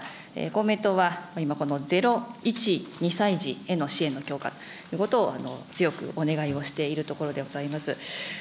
公明党は今、０、１、２歳児への支援の強化ということを強くお願いをしているところでございます。